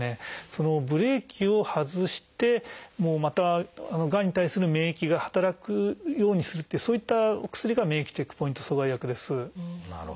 そのブレーキを外してまたがんに対する免疫が働くようにするというそういったお薬が免疫チェックポイント阻害薬です。